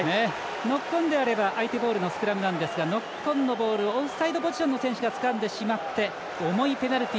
ノックオンであれば相手ボールのスクラムなんですがノックオンのボールをオフサイドポジションの選手がつかんでしまって重いペナルティ。